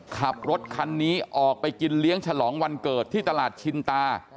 ขับรถคันนี้ออกไปกินเลี้ยงฉลองวันเกิดที่ตลาดชินตา